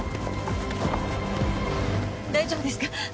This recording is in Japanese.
大丈夫ですか？